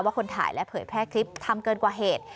คนถ่ายและเผยแพร่คลิปทำเกินกว่าเหตุ